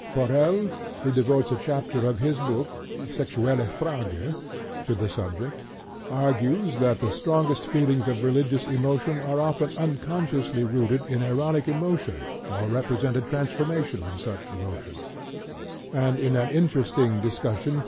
" Forel, who devotes a chapter of his book Die Sexuelle Frage, to the subject, argues that the strongest feelings of religious emotion are often unconsciously rooted in erotic emotion or represent a transformation of such emotion; and, in an interesting discussion (Ch.